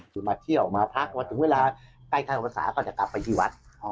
คือมาเที่ยวมาพักพอถึงเวลาใกล้กับพรรษาก็จะกลับไปที่วัด